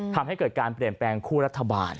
ทำให้เกิดการเปลี่ยนแปลงคู่รัฐบาล